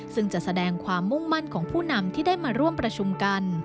ซึ่งจะแสดงความมุ่งมั่นของผู้นำที่ได้มาร่วมประชุมกัน